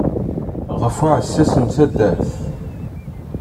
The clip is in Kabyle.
Ɣef uɛssas n taddart.